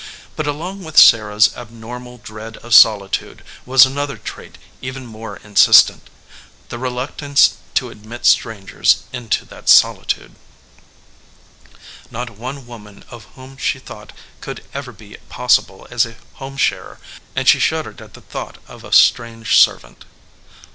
But along with Sarah s abnormal dread of solitude, was another trait even more insistent, the reluctance to admit strangers into 4 SARAH EDGEWATER that solitude. Not one woman of whom she thought could ever be possible as a home sharer, and she shuddered at the thought of a strange servant.